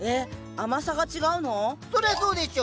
甘さが違うの⁉そりゃそうでしょ。